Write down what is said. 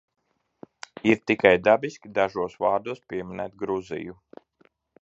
Ir tikai dabiski dažos vārdos pieminēt Gruziju.